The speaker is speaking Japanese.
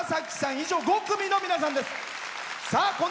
以上、５組の皆さんです。